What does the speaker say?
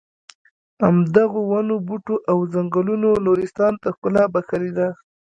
همدغو ونو بوټو او ځنګلونو نورستان ته ښکلا بښلې ده.